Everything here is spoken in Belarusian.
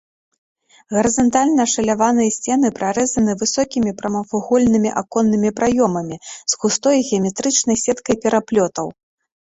Гарызантальна ашаляваныя сцены прарэзаны высокімі прамавугольнымі аконнымі праёмамі з густой геаметрычнай сеткай пераплётаў.